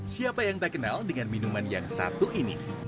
siapa yang tak kenal dengan minuman yang satu ini